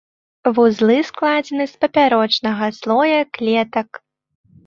Вузлы складзены з папярочнага слоя клетак.